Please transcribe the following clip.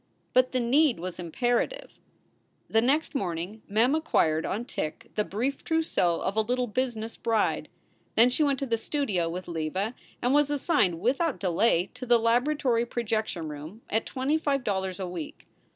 But the need was imperative. SOULS FOR SALE 175 The next morning Mem acquired on tick the brief trous seau of a little business bride. Then she went to the studio with Leva and was assigned without delay to the laboratory projection room at twenty five dollars a week.